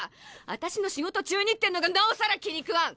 私の仕事中にってのがなおさら気に食わん！